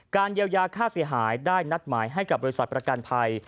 เยียวยาค่าเสียหายได้นัดหมายให้กับบริษัทประกันภัย